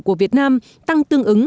của việt nam tăng tương ứng